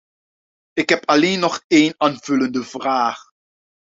Ik heb alleen nog één aanvullende vraag.